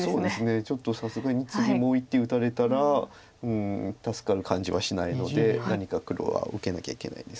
ちょっとさすがに次もう１手打たれたら助かる感じはしないので何か黒は受けなきゃいけないんです。